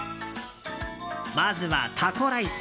まずはタコライス！